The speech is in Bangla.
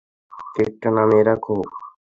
কেকটা নামিয়ে রাখ।